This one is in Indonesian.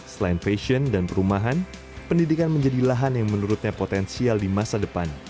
selain fashion dan perumahan pendidikan menjadi lahan yang menurutnya potensial di masa depan